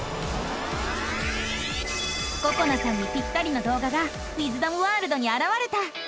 ここなさんにピッタリのどう画がウィズダムワールドにあらわれた！